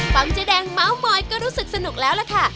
ฟังเจ๊แดงเม้ามอยก็รู้สึกสนุกแล้วล่ะค่ะ